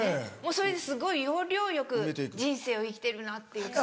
それですごい要領よく人生を生きてるなっていう感じ。